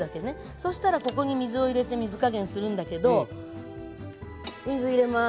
そしたらここに水を入れて水加減するんだけど水入れます。